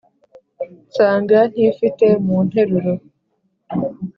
Nsanga ntifite mu nteruro,